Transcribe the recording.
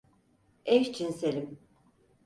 Eşcinselim.